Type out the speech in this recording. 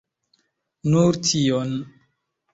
Nur tion.